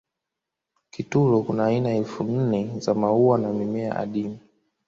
kitulo Kuna aina elfu nne za maua na mimea adimu